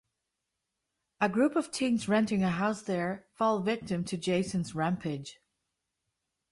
A group of teens renting a house there fall victim to Jason's rampage.